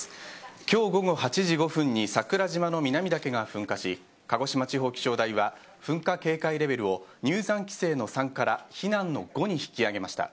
今日午後８時５分に桜島の南岳が噴火し鹿児島地方気象台は噴火警戒レベルを入山規制の３から避難の５に引き上げました。